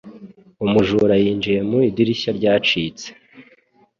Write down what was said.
Umujura yinjiye mu idirishya ryacitse.